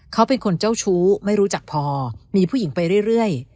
เขาเป็นคนเจ้าชู้ไม่รู้จักพอมีผู้หญิงไปเรื่อย